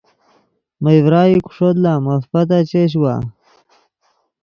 مئے ڤرائی کُو ݰوت لا مف پتا چش وا